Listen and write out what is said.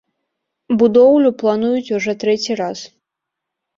Будоўлю плануюць ужо трэці раз.